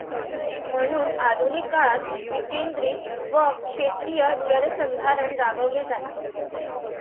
म्हणून आधुनिक काळात विकेंद्रित व क्षेत्रीय जलसंधारण राबवले जाते.